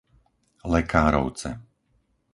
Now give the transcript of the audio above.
Lekárovce